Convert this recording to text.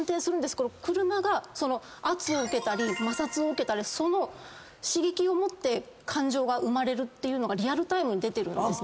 この車が圧を受けたり摩擦を受けたりその刺激をもって感情が生まれるっていうのがリアルタイムに出てるんですね。